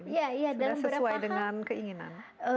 sudah sesuai dengan keinginan